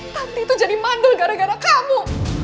tanti itu jadi mandel gara gara kamu